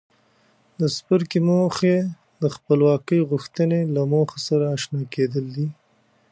د څپرکي موخې د خپلواکۍ غوښتنې له موخو سره آشنا کېدل دي.